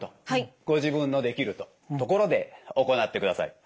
ご自分のできるところで行ってください。